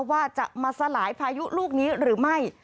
ว่าจะมาสลายพายุลูกนี้หรือไม่